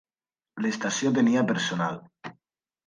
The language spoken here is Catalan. L'estació tenia personal.